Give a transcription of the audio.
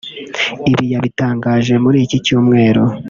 Ibi yabitangaje muri iki Cyumweru